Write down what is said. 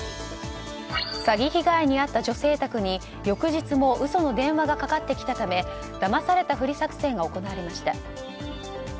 詐欺被害に遭った女性宅に翌日も嘘の電話がかかってきたためだまされたふり作戦が行われました。